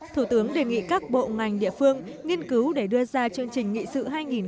thủ tướng đề nghị các bộ ngành địa phương nghiên cứu để đưa ra chương trình nghị sự hai nghìn ba mươi